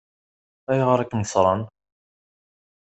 Ayɣer i kem-ṣṣṛen?